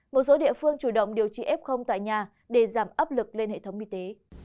một số địa phương chủ động điều trị f tại nhà để giảm áp lực lên hệ thống y tế